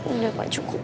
udah pak cukup